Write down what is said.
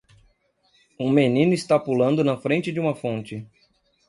Um menino está pulando na frente de uma fonte.